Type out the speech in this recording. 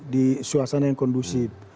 di suasana yang kondusif